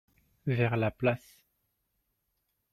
Vers la place.